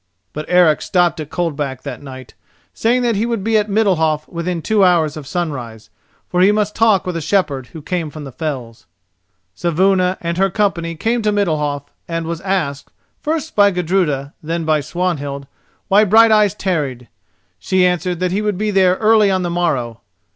But Eric stopped at Coldback that night, saying that he would be at Middalhof within two hours of sunrise, for he must talk with a shepherd who came from the fells. Saevuna and her company came to Middalhof and was asked, first by Gudruda, then by Swanhild, why Brighteyes tarried. She answered that he would be there early on the morrow.